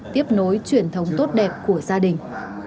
tiếp nối truyền thống tốt đẹp của gia đình